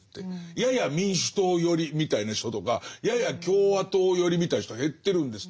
やや民主党寄りみたいな人とかやや共和党寄りみたいな人は減ってるんですって。